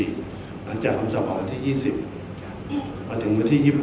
หลังจากคำสอบของวันที่๒๐